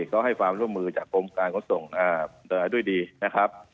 เขาให้ความร่วมมือจากกรมการขนส่งด้วยดีนะครับ